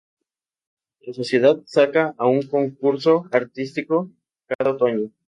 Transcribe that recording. La sociedad saca a un concurso artístico cada otoño.